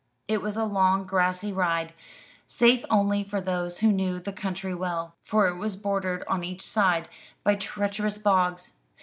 It was a long grassy ride, safe only for those who knew the country well, for it was bordered on each side by treacherous bogs.